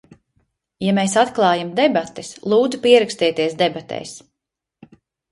Ja mēs atklājam debates, lūdzu, pierakstieties debatēs!